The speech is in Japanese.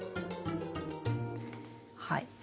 はい。